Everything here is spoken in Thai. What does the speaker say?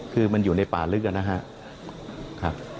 คือว่ามันอยู่ในป่าลึกอ่ะนะฮะครับ